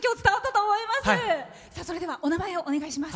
それではお名前をお願いします。